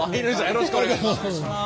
よろしくお願いします。